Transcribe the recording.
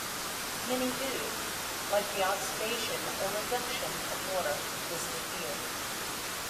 Many do, like the oxidation or reduction of water listed here.